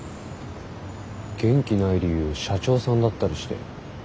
元気ない理由社長さんだったりして。